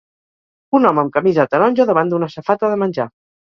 Un home amb camisa taronja davant d'una safata de menjar.